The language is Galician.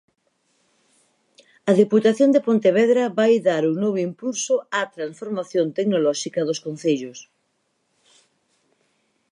A Deputación de Pontevedra vai dar un novo impulso á transformación tecnolóxica dos concellos.